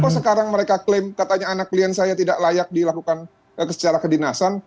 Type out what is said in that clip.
kalau sekarang mereka klaim katanya anak klien saya tidak layak dilakukan secara kedinasan